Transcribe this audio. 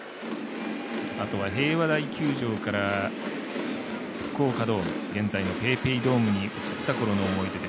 あとは平和台球場から福岡ドーム、現在のＰａｙＰａｙドームに移ったころの思い出